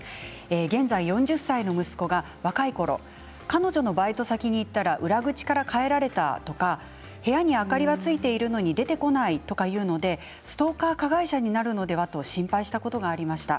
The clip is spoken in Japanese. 現在４０歳の息子が若いころ彼女のバイト先に行ったら裏口から帰られたとか部屋に明かりがついているのに出てこないと言うのでストーカー加害者になるのではと心配したことがありました。